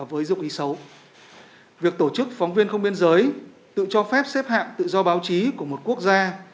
đối với việc tổ chức phóng viên không biên giới tự cho phép xếp hạng tự do báo chí của một quốc gia